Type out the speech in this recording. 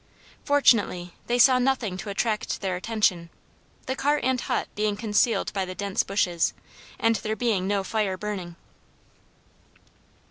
Fortunately they saw nothing to attract their attention; the cart and hut being concealed by the dense bushes, and there being no fire burning.